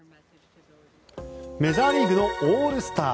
メジャーリーグのオールスター。